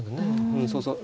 うんそうそう